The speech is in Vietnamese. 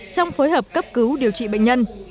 trong phối hợp cấp cứu điều trị bệnh nhân